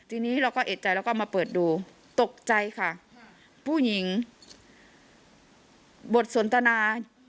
ทีนี้เราก็เอกใจแล้วก็มาเปิดดูตกใจค่ะผู้หญิงบทสนทนา